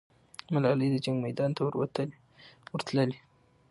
ملالۍ د جنګ میدان ته ورتللې.